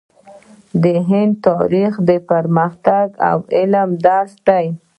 د هند تاریخ د پرمختګ او علم درس دی.